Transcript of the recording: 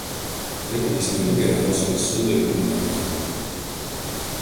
Laikomas vienu geriausių visų laikų matematikų.